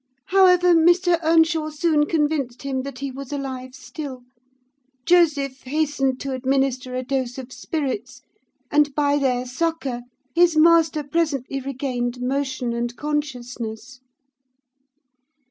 However, Mr. Earnshaw soon convinced him that he was alive still; Joseph hastened to administer a dose of spirits, and by their succour his master presently regained motion and consciousness.